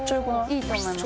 いいと思います